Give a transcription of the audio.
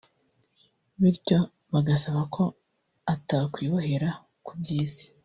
bityo bagasaba ko atakwibohera ku by’isi